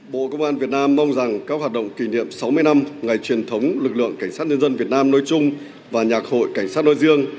bộ công an việt nam mong rằng các hoạt động kỷ niệm sáu mươi năm ngày truyền thống lực lượng cảnh sát nhân dân việt nam nói chung và nhạc hội cảnh sát nói riêng